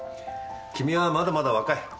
君はまだまだ若い。